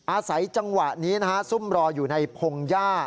อาศัยจังหวะนี้ซุ่มรออยู่ในพงศ์ย่า